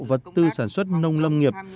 vật tư sản xuất nông lâm nghiệp